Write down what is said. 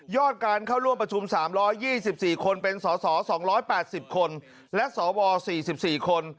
การเข้าร่วมประชุม๓๒๔คนเป็นสส๒๘๐คนและสว๔๔คน